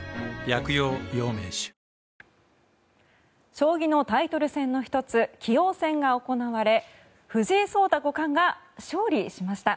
将棋のタイトル戦の１つ棋王戦が行われ藤井聡太五冠が勝利しました。